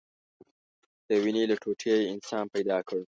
د وينې له ټوټې يې انسان پيدا كړ.